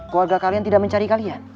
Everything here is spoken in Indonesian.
keluarga kalian tidak mencari kalian